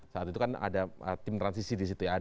saat itu kan ada tim transisi disitu ya